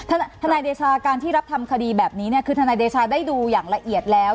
ทนายเดชาการที่รับทำคดีแบบนี้เนี่ยคือทนายเดชาได้ดูอย่างละเอียดแล้ว